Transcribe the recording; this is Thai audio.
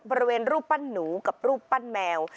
บริเวณรูปปั้นหนูกับรูปปั้นแมว